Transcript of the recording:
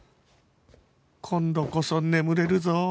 今度こそ眠れるぞ！